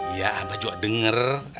iya abah juga denger